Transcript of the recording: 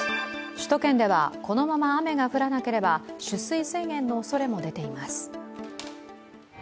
首都圏ではこのまま雨が降らなければ取水制限のおそれも出ています。